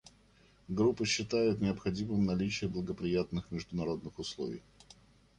Группа считает необходимым наличие благоприятных международных условий.